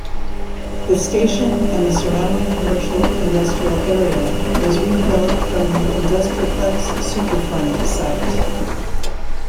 The station and the surrounding commercial-industrial area was redeveloped from the Industri-Plex Superfund site.